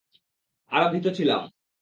আর ভীত ছিলাম।